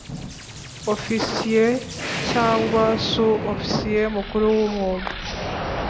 Ofisiye cyangwa Su Ofisiye Mukuru w umwuga